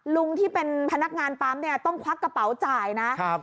ลุงที่เป็นพนักงานป๊ำต้องควักกระเป๋าจ่ายนะ